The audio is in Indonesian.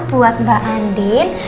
buat mbak andin